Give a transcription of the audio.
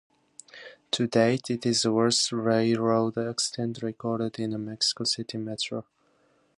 To date, it is the worst railroad accident recorded in the Mexico City Metro.